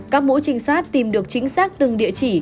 các mũi trinh sát tìm được chính xác từng địa chỉ